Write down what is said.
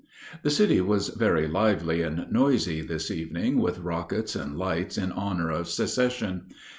The city was very lively and noisy this evening with rockets and lights in honor of secession.